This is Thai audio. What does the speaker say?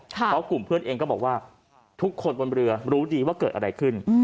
เพราะกลุ่มเพื่อนเองก็บอกว่าทุกคนบนเรือรู้ดีว่าเกิดอะไรขึ้น